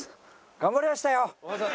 頑張りましたよ！